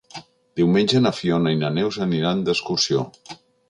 Diumenge na Fiona i na Neus aniran d'excursió.